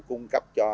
cung cấp cho